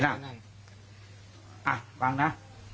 อ้าฟังนะ